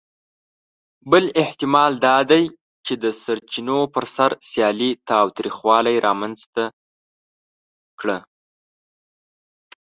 بل احتمال دا دی، چې د سرچینو پر سر سیالي تاوتریخوالي رامنځ ته کړه.